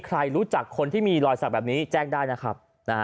ใครรู้จักคนที่มีรอยสักแบบนี้แจ้งได้นะครับ